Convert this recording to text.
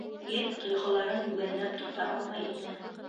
Ир тойғоларын йүгәнләп тота алмай ине.